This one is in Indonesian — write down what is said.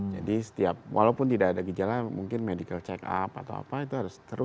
jadi setiap walaupun tidak ada kejala mungkin medical check up atau apa itu harus terus